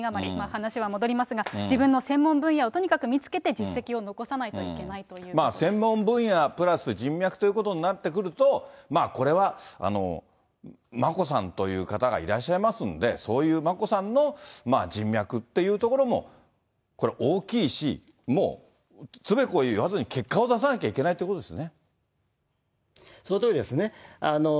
話は戻りますが、自分の専門分野をとにかく見つけて実績を残さないといけないとい専門分野プラス人脈ということになってくると、まあ、これは眞子さんという方がいらっしゃいますんで、そういう眞子さんの人脈っていうところも、これ、大きいし、もう、つべこべ言わずに結果を出さなきゃいけないってことそのとおりですね。